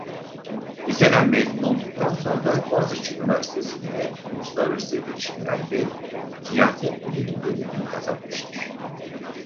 Liseden mezun olduktan sonra Boğaziçi Üniversitesi'nde Uluslararası İlişkiler ve Siyaset Bilimi bölümünü kazanmıştır.